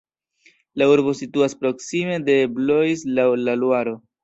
La urbo situas proksime de Blois laŭ la Luaro.